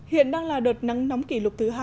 hiện đang là đợt nắng nóng kỷ lục thứ hai